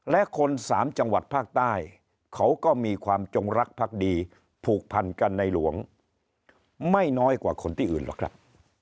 และคนสามจังหวัดภาคใต้เขาก็มีความจงรักภักดีผูกพันกันในหลวงไม่น้อยกว่าคนที่อื่นหรอกครับ